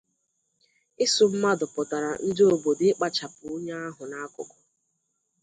Ịsụ mmadụ pụtàrà ndị obodo ịkpachapụ onye ahụ n'akụkụ